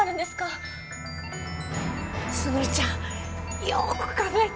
卓ちゃんよーく考えて！